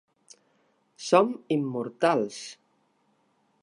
"Som" immortals!